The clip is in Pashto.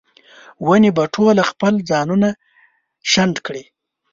ونې به ټوله خپل ځانونه شنډ کړي